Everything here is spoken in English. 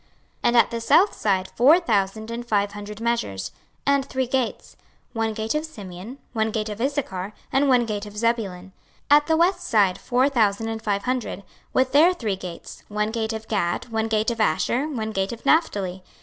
26:048:033 And at the south side four thousand and five hundred measures: and three gates; one gate of Simeon, one gate of Issachar, one gate of Zebulun. 26:048:034 At the west side four thousand and five hundred, with their three gates; one gate of Gad, one gate of Asher, one gate of Naphtali.